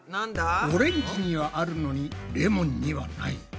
オレンジにはあるのにレモンにはない。